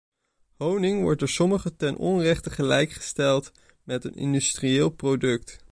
Honing wordt door sommigen ten onrechte gelijkgesteld met een industrieel product.